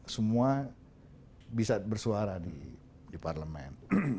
semua bisa bersuara di parlemen